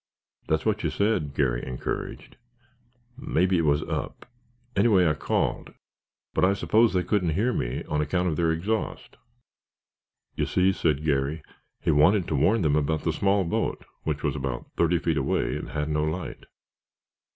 "That's what you said," Garry encouraged. "Maybe it was up. Anyway I called, but I suppose they couldn't hear me on account of their exhaust." "You see," said Garry. "He wanted to warn them about the small boat which was about thirty feet away and had no light."